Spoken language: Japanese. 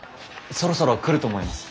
そろそろ来ると思います。